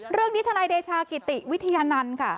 เรื่องนี้ทนายเดชากิติวิทยานันต์